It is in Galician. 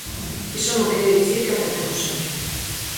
Iso non quere dicir que acertemos sempre.